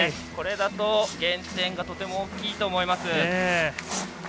これだと減点がとても大きいと思います。